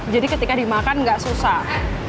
jadi ketika dimakan nggak susah